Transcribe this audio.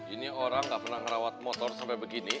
ini orang nggak pernah ngerawat motor sampai begini